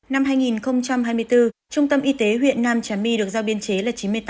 năm hai nghìn hai mươi bốn trung tâm y tế huyện nam trà my được giao biên chế là chín mươi tám